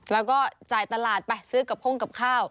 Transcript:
แล้วก็จ่ายตลาดไปซื้อกับพ่งกับข้าว